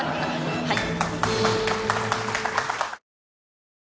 はい。